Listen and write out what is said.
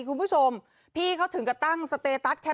กลุ่มน้ำเบิร์ดเข้ามาร้านแล้ว